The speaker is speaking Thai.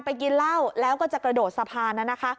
กินเหล้าแล้วก็จะกระโดดสะพาน